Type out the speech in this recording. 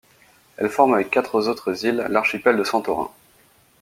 Elle forme avec quatre autres îles l'archipel de Santorin.